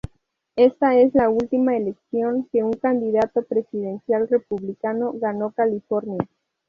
Esta es la última elección que un candidato presidencial republicano ganó California.